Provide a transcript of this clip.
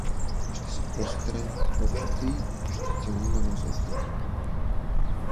Ще се простре на плочите и ще целува нозете й.